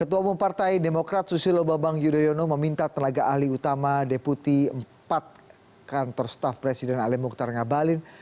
ketua bumpartai demokrat susilo babang yudhoyono meminta tenaga ahli utama deputi empat kantor staff presiden alem moktar ngabalin